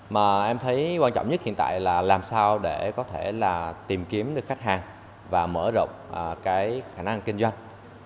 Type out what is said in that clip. mà em thấy quan trọng nhất hiện tại là làm sao để có thể là tìm kiếm được khách hàng và mở rộng cái khả năng kinh doanh